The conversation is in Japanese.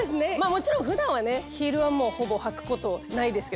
もちろん普段はヒールはほぼ履くことないです。